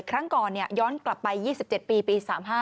ครั้งก่อนย้อนกลับไป๒๗ปีปี๓๕